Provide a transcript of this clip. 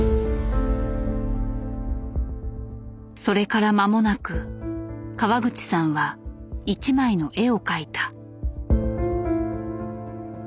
それからまもなく川口さんは一枚の絵を描いた。